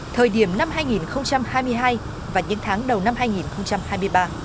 thời điểm năm hai nghìn hai mươi hai và những tháng đầu năm hai nghìn hai mươi ba